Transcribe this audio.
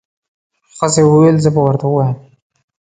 ښځې وويل زه به ورته ووایم.